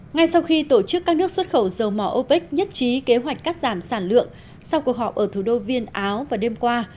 ngay sau khi tổ chức các nước xuất khẩu dầu mỏ opec nhất trí kế hoạch cắt giảm sản lượng sau cuộc họp ở thủ đô viên áo vào đêm qua